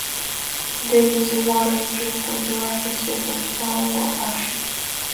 They visit water and drink with a rapid sip and swallow action.